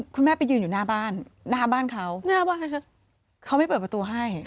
คุณแม่ไปยืนอยู่หน้าบ้านเขาไม่เปิดประตูให้